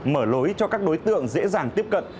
mở lối cho các đối tượng dễ dàng tiếp cận